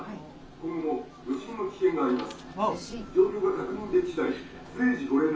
今後、余震の危険があります。